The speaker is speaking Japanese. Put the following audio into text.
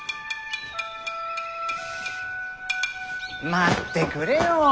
待ってくれよ。